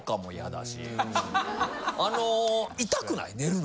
痛くない？寝るの。